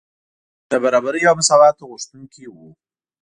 د برابرۍ او مساواتو غوښتونکي وو.